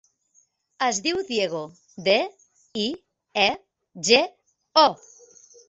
Es diu Diego: de, i, e, ge, o.